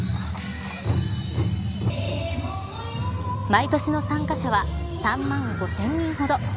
毎年の参加者は３万５０００人ほど。